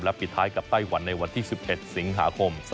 ปิดท้ายกับไต้หวันในวันที่๑๑สิงหาคม๒๕๖